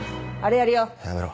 やめろ。